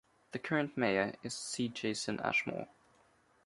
The current mayor is C. Jason Ashmore.